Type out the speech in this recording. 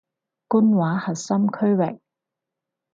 官話核心區域